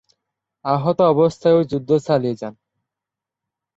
আহত অবস্থায়ও যুদ্ধ চালিয়ে যান।